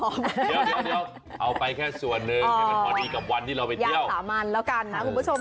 เดี๋ยวเอาไปแค่ส่วนหนึ่งให้มันพอดีกับวันที่เราไปเที่ยว